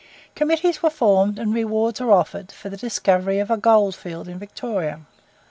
Committees were formed, and rewards were offered for the discovery of a gold field in Victoria.